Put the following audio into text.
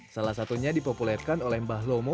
salah satunya dipopulerkan oleh mbah lomo